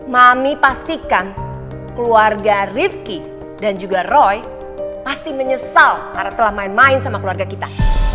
mami pastikan keluarga rifki dan juga roy pasti menyesal karena telah main main sama keluarga kita